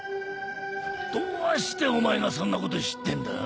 どうしてお前がそんなこと知ってんだ？